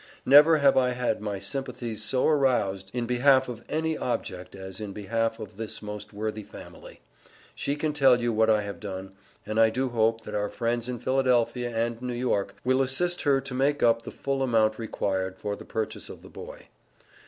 Never have I had my sympathies so aroused in behalf of any object as in behalf of this most worthy family. She can tell you what I have done. And I do hope, that our friends in Philadelphia and New York will assist her to make up the full amount required for the purchase of the boy.